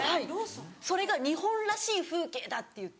それが日本らしい風景だっていって。